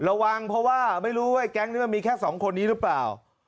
ระวังเพราะว่าไม่รู้แก๊งคอยนึงว่ามีแค่๒คนนี้หรือเปล่า